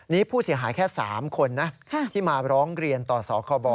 นี่ผู้เสียหายแค่๓คนนะที่มาร้องเรียนต่อสคบ